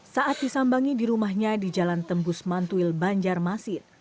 saat disambangi di rumahnya di jalan tembus mantuil banjarmasin